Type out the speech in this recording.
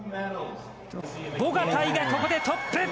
ゴガタイが、ここでトップ。